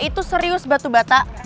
itu serius batu bata